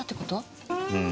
うん。